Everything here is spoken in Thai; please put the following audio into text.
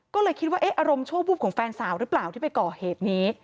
ก็เลยคิดว่าอารมณ์ชั่ววูบของแฟนสาวหรือเปล่าที่ไปก่อเหตุนี้